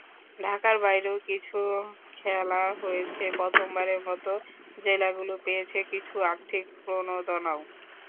ঢাকার বাইরেও কিছু খেলা হয়েছে, প্রথমবারের মতো জেলাগুলো পেয়েছে কিছু আর্থিক প্রণোদনাও।